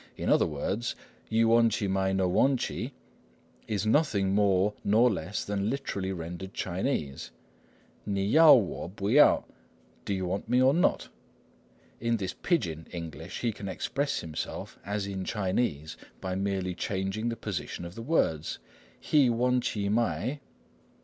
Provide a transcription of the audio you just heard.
In other words, "you wantchee my, no wantchee," is nothing more nor less than literally rendered Chinese:— 你要我不要 ni yao wo, pu yao = do you want me or not? In this "pidgin" English he can express himself as in Chinese by merely changing the positions of the words:— "He wantchee my."